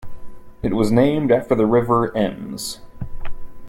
It was named after the river Ems.